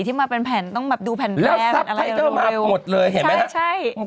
ที่มาเป็นแผ่นต้องแบบดูแผ่นแพร่บอะไรอย่างโรคแล้วทรัพย์ไทยก็มาหมดเลยเห็นไหมนะ